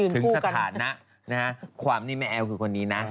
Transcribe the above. ถึงสถานะความนี้แม่แอ๊วคือคนนี้นะ